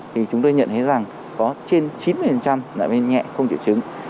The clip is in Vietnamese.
thì chúng tôi nhận thấy rằng có trên chín mươi đã bị nhẹ không chịu chứng